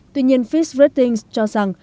tuy nhiên fitch ratings cho rằng